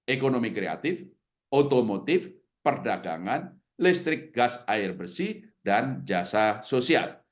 ekonomi kreatif otomotif perdagangan listrik gas air bersih dan jasa sosial